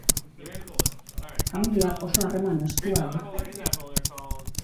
Familiak oso harreman estu du.